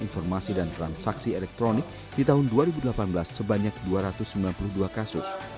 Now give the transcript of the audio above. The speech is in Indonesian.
informasi dan transaksi elektronik di tahun dua ribu delapan belas sebanyak dua ratus sembilan puluh dua kasus